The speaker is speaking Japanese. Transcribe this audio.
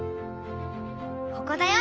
ここだよ。